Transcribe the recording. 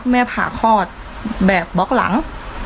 ผ่าคลอดแบบบล็อกหลัง